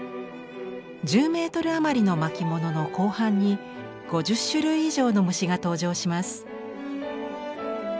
１０メートル余りの巻物の後半に５０種類以上の虫が登場します。